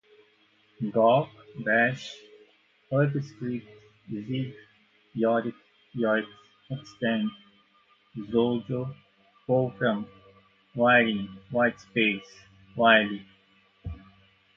gawk, bash, urbiscript, zig, yorick, yoix, xtend, xojo, wolfram, wiring, whitespace, whiley